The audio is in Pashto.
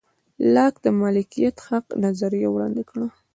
لاک د مالکیت حق نظریه وړاندې کړه.